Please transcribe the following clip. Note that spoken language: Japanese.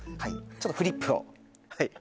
ちょっとフリップをはい